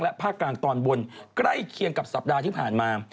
ภาคกลางตอนบนใกล้เคียงกับสัปดาห์ที่ผ่านมา